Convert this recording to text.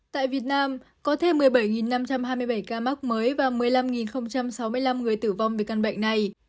tại việt nam có thêm một mươi bảy năm trăm hai mươi bảy ca mắc mới và một mươi năm sáu mươi năm người tử vong vì căn bệnh này